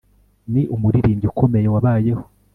Ni umuririmbyi ukomeye wabayeho